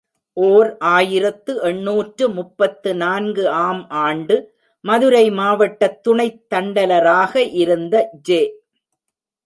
ஓர் ஆயிரத்து எண்ணூற்று முப்பத்து நான்கு ஆம் ஆண்டு, மதுரை மாவட்டத் துணைத் தண்டலராக இருந்த ஜெ.